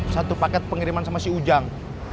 satu paket pengiriman sama si ujang